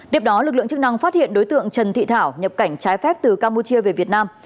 tiếp đó lực lượng chức năng phát hiện đối tượng trần thị thảo nhập cảnh trái phép từ campuchia về việt nam